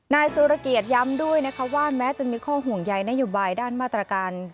นายสุรเกียรติย้ำด้วยนะคะว่าแม้จะมีข้อห่วงใยนโยบายด้านมาตรการ